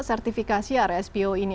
sertifikasi rspo ini